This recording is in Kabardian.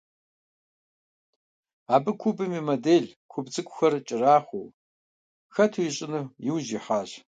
Абы кубым и модель, куб цIыкIухэр кIэрахъуэу хэту ищIыну и ужь ихьащ.